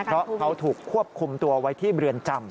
เพราะเขาถูกควบคุมตัวไว้ที่เรือนจำ